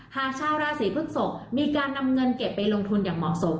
หากชาวราศีพฤกษกมีการนำเงินเก็บไปลงทุนอย่างเหมาะสม